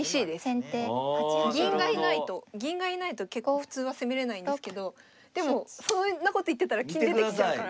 銀がいないと結構普通は攻めれないんですけどでもそんなこと言ってたら金出てきちゃうから。